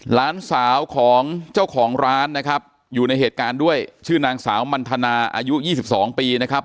หลานสาวของเจ้าของร้านนะครับอยู่ในเหตุการณ์ด้วยชื่อนางสาวมันทนาอายุ๒๒ปีนะครับ